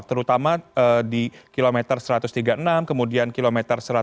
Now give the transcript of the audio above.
terutama di kilometer satu ratus tiga puluh enam kemudian kilometer satu ratus lima puluh